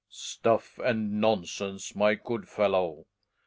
Stuff and nonsense, my good fellow!